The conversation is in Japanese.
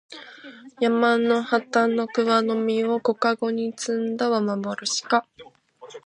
山の畑の桑の実を小かごに摘んだはまぼろしか